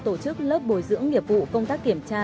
tổ chức lớp bồi dưỡng nghiệp vụ công tác kiểm tra